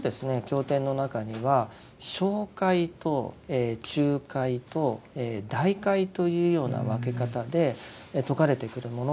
経典の中には小戒と中戒と大戒というような分け方で説かれてくるものがあります。